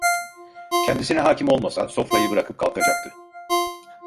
Kendisine hâkim olmasa sofrayı bırakıp kalkacaktı.